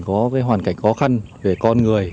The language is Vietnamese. có hoàn cảnh khó khăn về con người